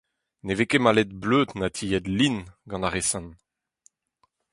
Ne vez ket malet bleud na tilhet lin gant ar re-se.